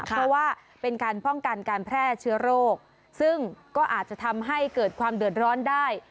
เพราะว่าเป็นการป้องกันการแพร่เชื้อโรคซึ่งก็อาจจะทำให้เกิดความเดือดร้อนได้